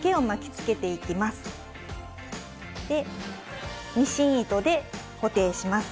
そして、ミシン糸で固定します。